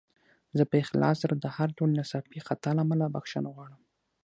زه په اخلاص سره د هر ډول ناڅاپي خطا له امله بخښنه غواړم.